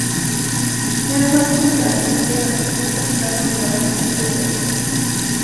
Medan han stod där som bedövad, öppnade hon dörren och flydde.